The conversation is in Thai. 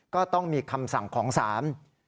ก็ต้องมีคำสั่งของศาล